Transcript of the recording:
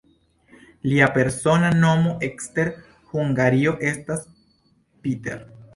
Lia persona nomo ekster Hungario estas "Peter".